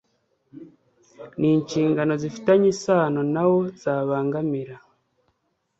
n inshingano zifitanye isano na wo zabangamira